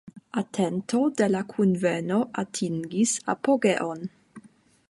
Atento de la kunveno atingis apogeon.